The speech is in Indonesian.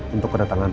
untuk kedatangan rena